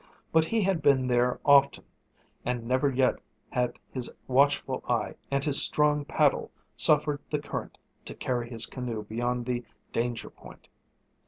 But he had been there often, and never yet had his watchful eye and his strong paddle suffered the current to carry his canoe beyond the danger point.